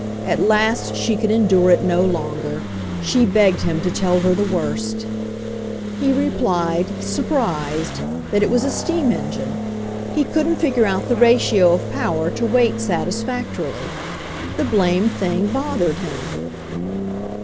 At last she could endure it no longer. She begged him to tell her the worst He replied, surprised, that it was a steam en gine — he couldn't figure out the ratio of power to weight satisfactorily. The blame thing bothered him.